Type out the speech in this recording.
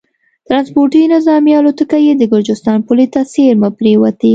ټرانسپورټي نظامي الوتکه یې د ګرجستان پولې ته څېرمه پرېوتې